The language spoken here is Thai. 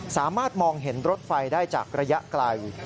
สามารถมองเห็นรถไฟได้จากระยะไกล